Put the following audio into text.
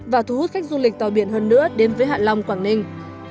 và thu hút khách du lịch tàu biển hơn nữa đến với hạ long quảng ninh